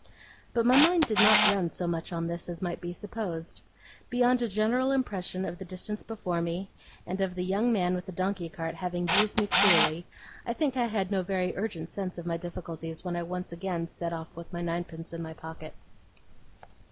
But my mind did not run so much on this as might be supposed. Beyond a general impression of the distance before me, and of the young man with the donkey cart having used me cruelly, I think I had no very urgent sense of my difficulties when I once again set off with my ninepence in my pocket.